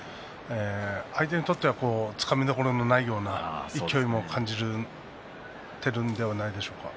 相手にとってはつかみどころのない勢いを感じているのではないでしょうか。